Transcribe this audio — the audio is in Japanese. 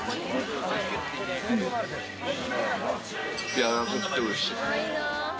やわらかくておいしい。